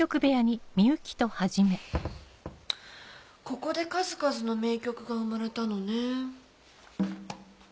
ここで数々の名曲が生まれたのね。